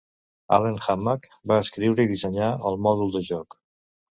Allen Hammack va escriure i dissenyar el mòdul de joc.